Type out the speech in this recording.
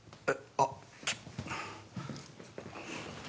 あっ！？